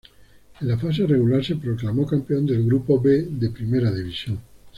En la fase regular se proclamó campeón del "grupo B" de Primera División.